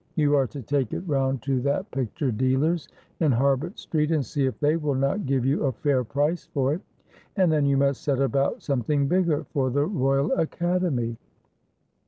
You are to take it round to that picture dealer's in Harbut Street, and see if they will not give you a fair price for it, and then you must set about something bigger for the Royal Academy."